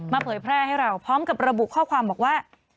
เผยแพร่ให้เราพร้อมกับระบุข้อความบอกว่า